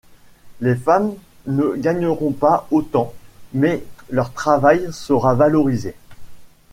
Les femmes ne gagneront pas autant, mais leur travail sera valorisé.